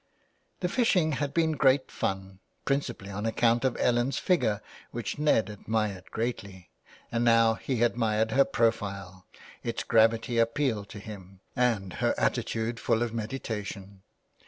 The fishing had been great fun, principally on account of Ellen's figure, which Ned admired greatly, and now he admired her profile — its gravity appealed to him — and her attitude full of meditation.